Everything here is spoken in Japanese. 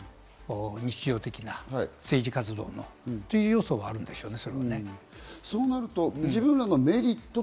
日常的な政治活動のそういう要素があるんでしょうね。